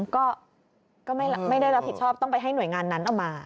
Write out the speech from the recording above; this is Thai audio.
ก็ไม่ได้รับผิดชอบต้องไปให้หน่วยงานนั้นเอามา